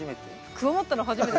クワ持ったの初めて。